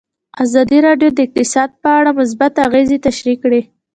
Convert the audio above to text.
ازادي راډیو د اقتصاد په اړه مثبت اغېزې تشریح کړي.